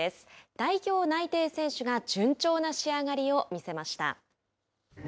代表内定選手が順調な仕上がりを見せました。